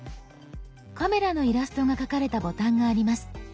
カメラのイラストが描かれたボタンがあります。